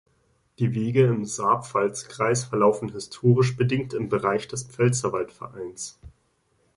Die Wege im Saar-Pfalz-Kreis verlaufen historisch bedingt im Bereich des Pfälzerwald-Vereins.